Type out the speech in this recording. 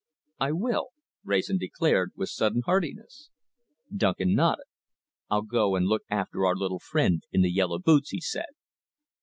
"I will," Wrayson declared, with sudden heartiness. Duncan nodded. "I'll go and look after our little friend in the yellow boots," he said.